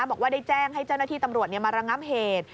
บอกว่าได้แจ้งให้เจ้าหน้าที่ตำรวจมาระงับเหตุ